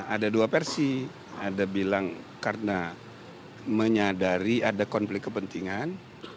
ada dua versi ada bilang karena menyadari ada konflik kepentingan